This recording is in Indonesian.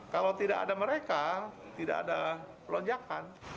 kalau tidak ada mereka tidak ada lonjakan